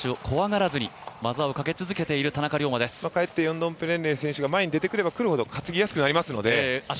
かえってヨンドンペレンレイ選手が前に出てくれば出てくるほど担ぎやすくなりますので。